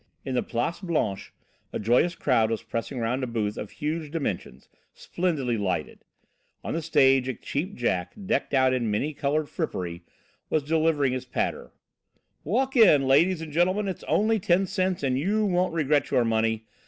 In the Place Blanche a joyous crowd was pressing round a booth of huge dimensions, splendidly lighted. On the stage a cheap Jack, decked out in many coloured frippery, was delivering his patter: "Walk in, ladies and gentlemen; it's only ten cents, and you won't regret your money!